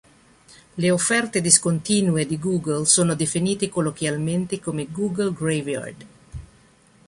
Le offerte discontinue di Google sono definite colloquialmente come Google Graveyard.